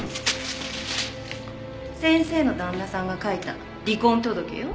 先生の旦那さんが書いた離婚届よ。